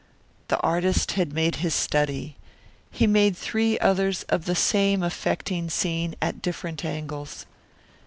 The artist had made his study. He made three others of the same affecting scene at different angles.